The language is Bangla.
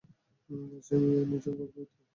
আর সেই মেয়ে নিজেও গর্ভবতী।